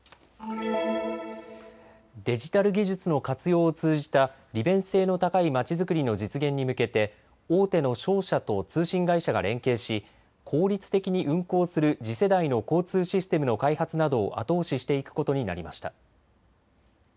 デジタル技術の活用を通じた利便性の高い街づくりの実現に向けて大手の商社と通信会社が連携し効率的に運行する次世代の交通システムの開発などを後押ししていくことになりました。